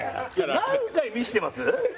何回見せてます？